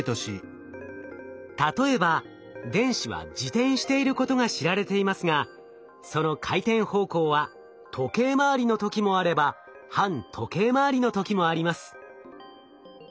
例えば電子は自転していることが知られていますがその回転方向は時計回りの時もあれば反時計回りの時もあります。